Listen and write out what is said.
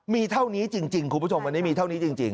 มีเท่านี้จริงคุณผู้ชมวันนี้มีเท่านี้จริง